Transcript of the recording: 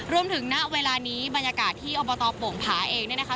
ณเวลานี้บรรยากาศที่อบตโป่งผาเองเนี่ยนะคะ